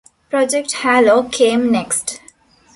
Project Halo came next.